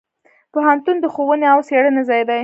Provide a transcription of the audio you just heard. پوهنتون د ښوونې او څیړنې ځای دی.